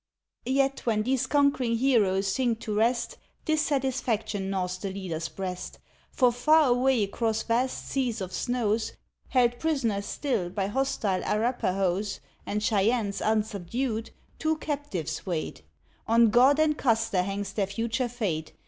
Yet when these conquering heroes sink to rest, Dissatisfaction gnaws the leader's breast, For far away across vast seas of snows Held prisoners still by hostile Arapahoes And Cheyennes unsubdued, two captives wait. On God and Custer hangs their future fate.